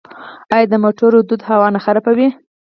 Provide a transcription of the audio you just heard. آیا د موټرو لوګی هوا نه خرابوي؟